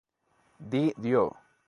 Di Dio.